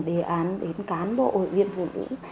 đề án đến cán bộ hội viên phụ nữ